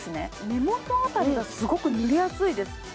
目元辺りがすごく塗りやすいです。